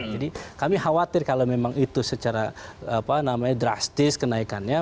jadi kami khawatir kalau memang itu secara apa namanya drastis kenaikannya